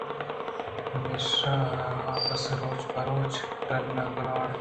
پمیشا اپس روچ پہ روچ ڈَہان ءُ کِڑان